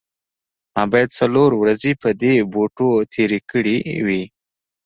ما باید څلور ورځې په دې بوټو تیرې کړې وي